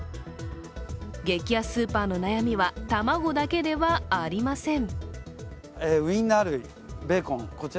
激安スーパーの悩みは、卵だけではありません。